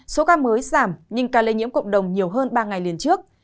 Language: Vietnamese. số ca mới giảm nhưng ca lây nhiễm cộng đồng nhiều hơn ba ngày liên trước